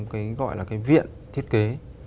cái gọi là cái viện thiết kế